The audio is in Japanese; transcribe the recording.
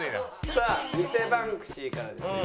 さあ偽バンクシーからですね